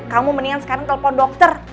kamu mendingan sekarang telepon dokter